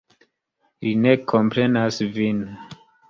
Li ne komprenas vin.